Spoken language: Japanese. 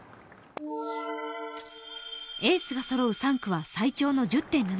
エースがそろう３区は、最長の１０．７ｋｍ。